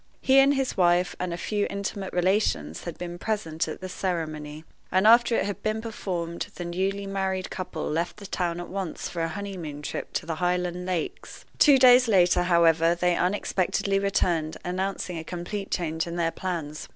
He and his wife, and a few intimate relations had been present at the ceremony; and after it had been performed the newly married couple left the town at once for a honeymoon trip to the Highland lakes. Two days later, however, they unexpectedly returned, announcing a complete change in their plans.